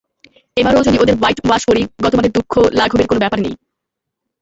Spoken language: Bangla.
এবারও যদি ওদের হোয়াইটওয়াশ করি, গতবারের দুঃঘ লাঘবের কোনো ব্যাপার নেই।